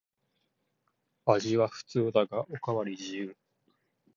味は普通だがおかわり自由